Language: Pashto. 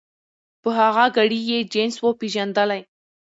په هغه ګړي یې جنس وو پیژندلی